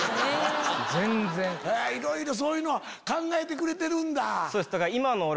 いろいろそういうの考えてくれてるんだ。